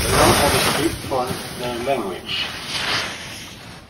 They don't have a script for their language.